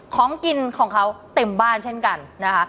ของกินของเขาเต็มบ้านเช่นกันนะคะ